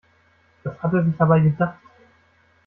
Was hat er sich dabei gedacht?